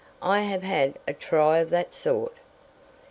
I have had a try of that sort."